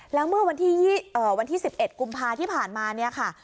แล้วเมื่อวันที่๑๑กุมภาที่ผ่านมาเนี่ยค่ะ